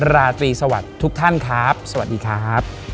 ราตรีสวัสดีทุกท่านครับสวัสดีครับ